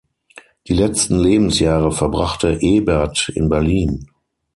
Die letzten Lebensjahre verbrachte Eberth in Berlin.